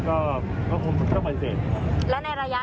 เขาคงก็ต้องไปเสร็จ